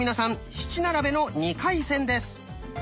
七並べの２回戦です！